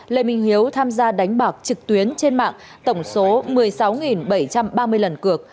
lê minh hiếu tham gia đánh bạc trực tuyến trên mạng tổng số một mươi sáu bảy trăm ba mươi lần cược